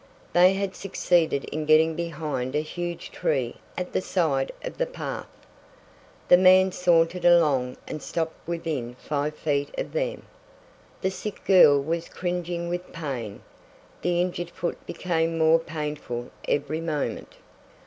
They had succeeded in getting behind a huge tree at the side of the path. The man sauntered along and stopped within five feet of them. The sick girl was cringing with pain. The injured foot became more painful every moment.